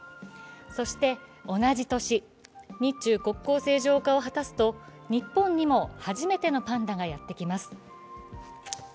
そして同じ年、日中国交正常化を果たすと、日本にも初めてのパンダがやってきます。